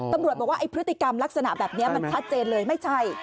ตำรวจบอกว่าไอ้พฤติกรรมลักษณะแบบนี้มันชัดเจนเลยไม่ใช่